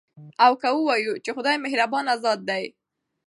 او که ووايو، چې خدايه مهربانه ذاته ده